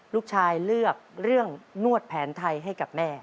ลูกชายเลือกเรื่องนวดแผนไทยให้กับแม่